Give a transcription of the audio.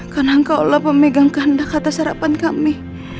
karena engkau lah pemegang kandah kata sarapan kami